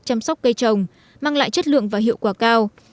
chăm sóc cây trồng mang lại chất lượng và hiệu quả cao